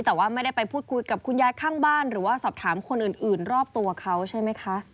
แต่ว่าไม่ได้ไปพูดคุยกับคุณยายข้างบ้านหรือว่าสอบถามคนอื่นรอบตัวเขาใช่ไหมคะ